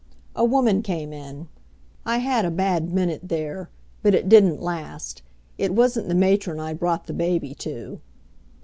A woman came in. I had a bad minute there, but it didn't last; it wasn't the matron I'd brought the baby to.